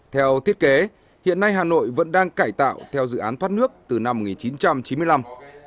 theo thiết kế hiện nay hà nội vẫn đang cải tạo theo dự án thoát nước từ năm một nghìn chín trăm chín mươi năm